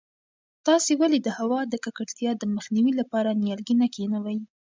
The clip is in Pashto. تاسې ولې د هوا د ککړتیا د مخنیوي لپاره نیالګي نه کښېنوئ؟